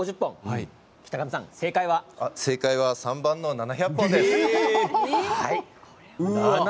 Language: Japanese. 正解は３番の７００本です。